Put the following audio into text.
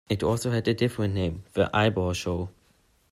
It also had a different name: The Eyeball Show.